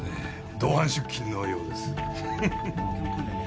同伴出勤のようですはははっ。